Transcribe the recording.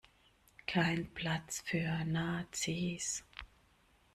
Kein Platz für Nazis.